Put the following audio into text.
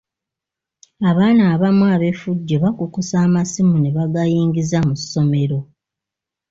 Abaana abamu ab'effujjo bakukusa amasimu ne bagayingiza mu ssomero.